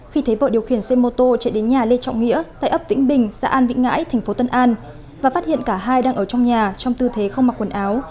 khi thấy vợ điều khiển xe mô tô chạy đến nhà lê trọng nghĩa tại ấp vĩnh bình xã an vĩnh ngãi thành phố tân an và phát hiện cả hai đang ở trong nhà trong tư thế không mặc quần áo